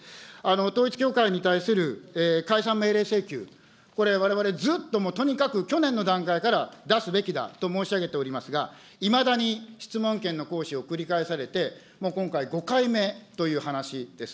統一教会に対する解散命令請求、これ、われわれずっともうとにかく、去年の段階から出すべきだと申し上げておりますが、いまだに質問権の行使を繰り返されて、今回、５回目という話です。